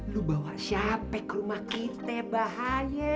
lu bawa siapa ke rumah kita bahaya